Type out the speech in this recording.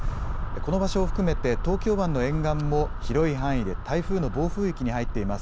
この場所を含めて、東京湾の沿岸も、広い範囲で台風の暴風域に入っています。